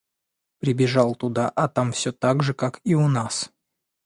Прибежал туда а там всё так же как и у нас.